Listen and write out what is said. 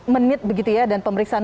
menit begitu ya dan pemeriksaan